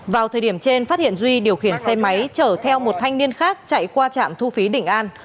vào thời điểm trên phát hiện duy điều khiển xe máy chở theo một thanh niên khác chạy qua trạm thu phí định an